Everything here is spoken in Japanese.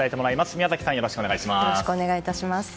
宮崎さん、よろしくお願いします。